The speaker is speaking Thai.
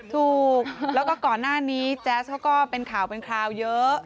ถูกแล้วก็ก่อนหน้านี้แจ๊สเขาก็เป็นข่าวเป็นคราวเยอะ